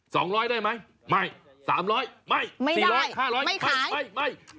สองร้อยได้ไหมไม่สามร้อยไม่ไม่สี่ร้อยห้าร้อยไม่ไม่